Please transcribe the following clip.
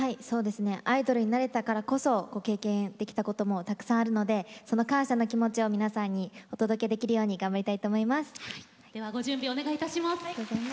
アイドルになれたからこそ経験できたこともたくさんあるので感謝の気持ちを皆さんにお届けできるように頑張りたいと思います。